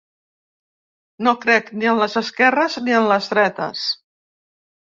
No crec ni en les esquerres ni en les dretes.